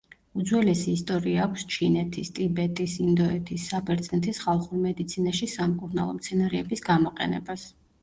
უძველესი ისტორია აქვს ჩინეთის, ტიბეტის, ინდოეთის, საბერძნეთის ხალხურ მედიცინაში სამკურნალო მცენარეების გამოყენებას.